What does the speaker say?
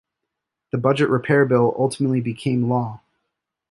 The budget repair bill ultimately became law.